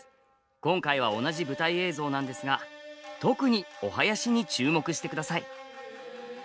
今回は同じ舞台映像なんですが特にお囃子に注目してください！